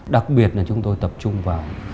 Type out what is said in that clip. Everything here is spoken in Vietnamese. đặc biệt là chúng tôi tập trung vào